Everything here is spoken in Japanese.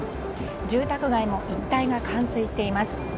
住宅街も一帯が冠水しています。